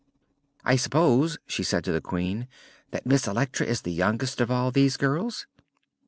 "I s'pose," she said to the Queen, "that Miss Electra is the youngest of all these girls."